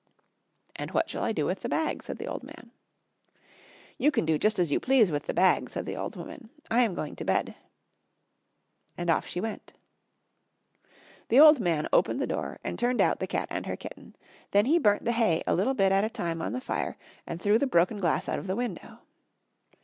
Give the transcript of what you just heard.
"And what shall I do with the bag?" said the old man. "You can do just as you please with the bag," said the old woman; "I am going to bed." And off she went. The old man opened the door and turned out the cat and her kitten. Then he burnt the hay a little bit at a time on the fire, and threw the broken glass out of the window.